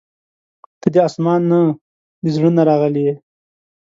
• ته د اسمان نه، د زړه نه راغلې یې.